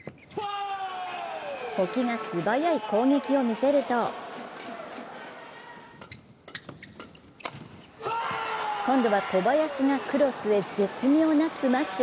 保木が素早い攻撃を見せると今度は小林がクロスへ絶妙なスマッシュ。